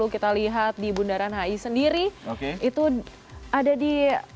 kita lihat di bundaran hi sendiri itu ada di